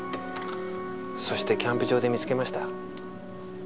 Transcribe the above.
そしてキャンプ場で見つけました。